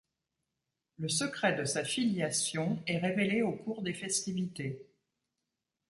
Le secret de sa filiation est révélé au cours des festivités.